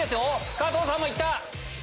加藤さんもいった！